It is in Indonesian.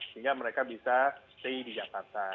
sehingga mereka bisa stay di jakarta